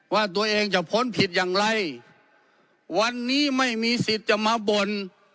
ว่าตัวเองจะพ้นผิดอย่างไรวันนี้ไม่มีสิทธิ์จะมาบ่น